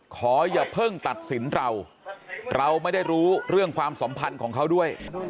ขออย่าเพิ่งตัดสินเราเราไม่ได้รู้เรื่องความสัมพันธ์ของเขาด้วย